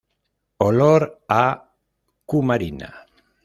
Olor a cumarina.